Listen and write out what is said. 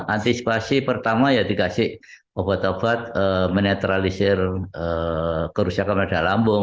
antisipasi pertama ya dikasih obat obat menetralisir kerusakan pada lambung